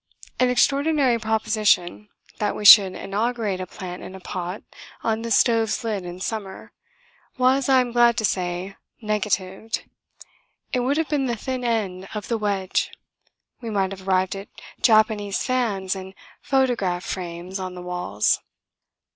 An extraordinary proposition, that we should inaugurate a plant in a pot on the stove's lid in summer, was, I am glad to say, negatived. It would have been the thin end of the wedge ... we might have arrived at Japanese fans and photograph frames on the walls.